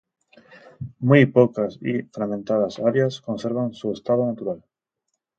Muy pocas y fragmentadas áreas conservan su estado natural.